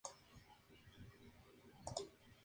Los españoles se vieron forzados a marcharse.